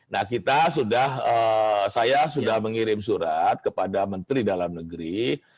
nah kita sudah saya sudah mengirim surat kepada menteri dalam negeri